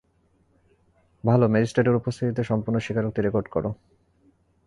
ভালো, ম্যাজিস্ট্রেটের উপস্থিতিতে সম্পূর্ণ স্বীকারোক্তি রেকর্ড করো।